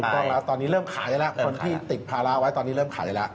สมมติว่าตอนนี้เริ่มขายแล้วคนที่ติดภาระไว้ตอนนี้เริ่มขายแล้ว